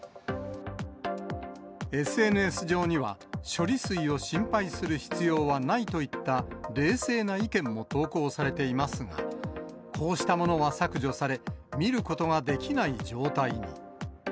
ＳＮＳ上には処理水を心配する必要はないといった、冷静な意見も投稿されていますが、こうしたものは削除され、見ることができない状態に。